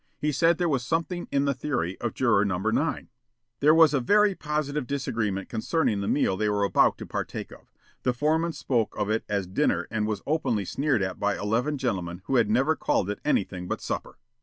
He said there was something in the theory of Juror No. 9. There was a very positive disagreement concerning the meal they were about to partake of. The foreman spoke of it as dinner and was openly sneered at by eleven gentlemen who had never called it anything but supper.